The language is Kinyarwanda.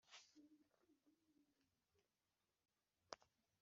Ibyagenze neza bishyigikira ubumwe n ubwiyunge.